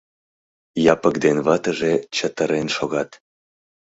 Япык ден ватыже чытырен шогат.